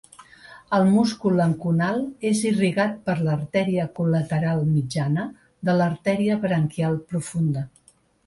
El múscul anconal és irrigat per l'artèria col·lateral mitjana de l'artèria braquial profunda.